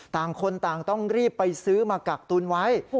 ต่างคนต่างต้องรีบไปซื้อมากักตุนไว้